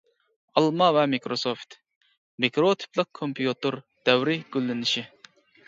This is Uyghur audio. ئالما ۋە مىكروسوفت: مىكرو تىپلىق كومپيۇتېر دەۋرى گۈللىنىشى.